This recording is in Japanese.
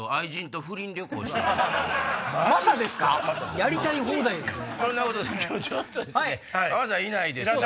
やりたい放題ですね。